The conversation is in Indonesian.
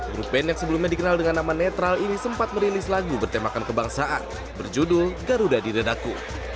grup band yang sebelumnya dikenal dengan nama netral ini sempat merilis lagu bertemakan kebangsaan berjudul garuda di redaku